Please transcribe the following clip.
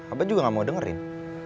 abah juga gak mau dengerin